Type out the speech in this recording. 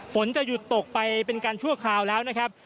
ฝนจะหยุดตกไปเป็นการชั่วคราวแล้วนะครับ